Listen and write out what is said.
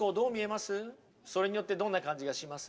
それによってどんな感じがします？